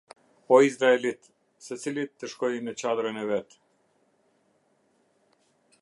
O zraelitë, secili të shkojë në çadrën e vet".